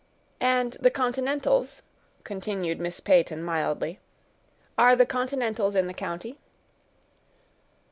"And the continentals," continued Miss Peyton mildly, "are the continentals in the county?"